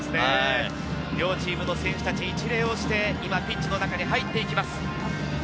両チームの選手達、一礼をして、今ピッチの中に入っていきます。